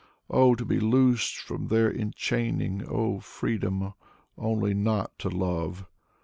Oh, to be loosed from their enchaining! Oh, freedom, only not to love!